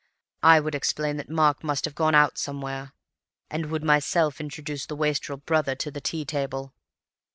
I would explain that Mark must have gone out somewhere, and would myself introduce the wastrel brother to the tea table.